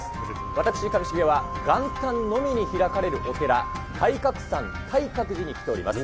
私、上重は元旦のみに開かれるお寺、体格山体格寺に来ております。